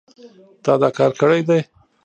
تا دا کار کړی دی